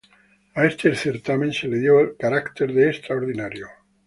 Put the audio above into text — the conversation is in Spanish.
A este certamen se le dio carácter de extraordinario.